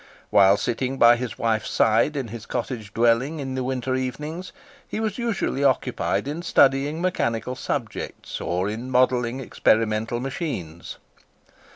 While sitting by his wife's side in his cottage dwelling in the winter evenings, he was usually occupied in studying mechanical subjects, or in modelling experimental machines.